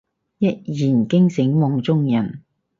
一言驚醒夢中人